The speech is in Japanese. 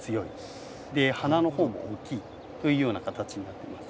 花の方も大きいというような形になってます。